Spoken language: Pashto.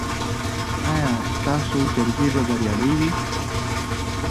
ایا ستاسو جرګې به بریالۍ وي؟